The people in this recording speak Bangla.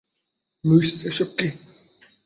লুইস, এসব কি?